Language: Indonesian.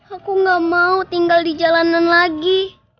aku gak mau tinggal di jalanan lagi